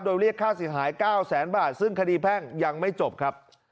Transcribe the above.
โดยเรียกค่าเสียหาย๙แสนบาทซึ่งคดีแพ่งยังไม่จบครับ